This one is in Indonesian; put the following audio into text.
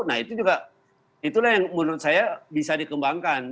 nah itu juga itulah yang menurut saya bisa dikembangkan